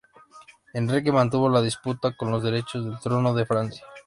Enrique mantuvo la disputa por los derechos al trono de Francia.